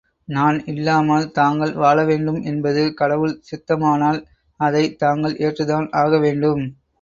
நான் இல்லாமல் தாங்கள் வாழ வேண்டும் என்பது கடவுள் சித்தமானால் அதை தாங்கள் ஏற்றுத்தான் ஆக வேண்டும்.